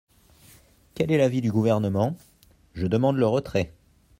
Quel est l’avis du Gouvernement ? Je demande le retrait.